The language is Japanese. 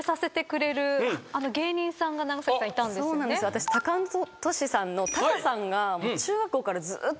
私タカアンドトシさんのタカさんが。